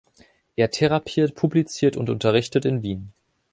Er therapiert, publiziert und unterrichtet in Wien.